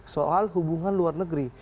soal hubungan luar negeri